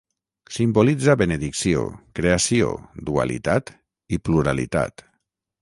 Simbolitza benedicció, creació, dualitat i pluralitat.